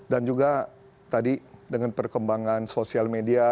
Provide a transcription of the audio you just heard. dan juga tadi dengan perkembangan social media